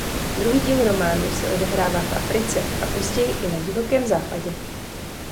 Druhý díl románu se odehrává v Africe a později i na Divokém Západě.